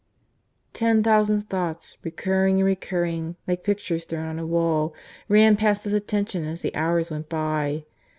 ... Ten thousand thoughts, recurring and recurring, like pictures thrown on a wall, ran past his attention as the hours went by.